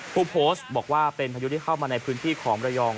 ผู้โพสต์บอกว่าเป็นพายุที่เข้ามาในพื้นที่ของระยอง